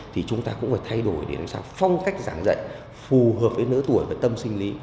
thì chúng ta cũng phải thay đổi đến phong cách giảng dạy phù hợp với nữ tuổi và tâm sinh lý